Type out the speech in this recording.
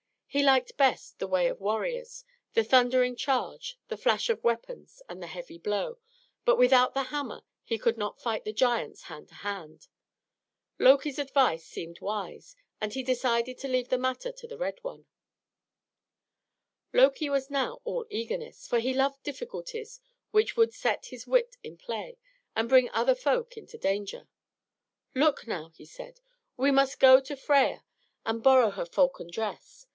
He liked best the way of warriors the thundering charge, the flash of weapons, and the heavy blow; but without the hammer he could not fight the giants hand to hand. Loki's advice seemed wise, and he decided to leave the matter to the Red One. Loki was now all eagerness, for he loved difficulties which would set his wit in play and bring other folk into danger. "Look, now," he said. "We must go to Freia and borrow her falcon dress.